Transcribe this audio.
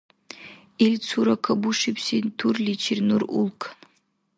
Ил цура кабушибси турличир нур улкан.